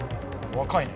若いね。